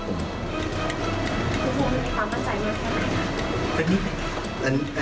คุณผู้หญิงมีความมั่นใจเยอะแค่ไหนครับ